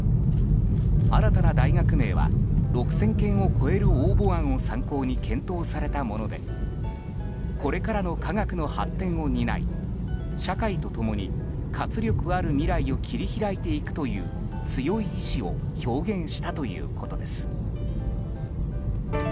新たな大学名は、６０００件を超える応募案を参考に検討されたものでこれからの科学の発展を担い社会と共に活力ある未来を切り開いていくという強い意志を表現したということです。